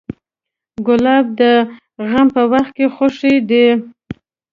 ګلاب د غم په وخت خوښي ده.